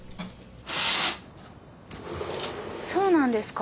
そうなんですか？